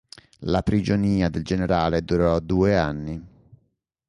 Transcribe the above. La prigionia del generale durò due anni.